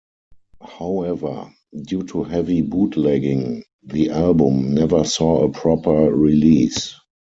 However, due to heavy bootlegging, the album never saw a proper release.